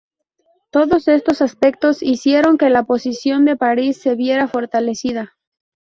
Todos estos aspectos hicieron que la posición de París se viera fortalecida.